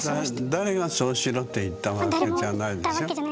誰がそうしろって言ったわけじゃないんでしょう？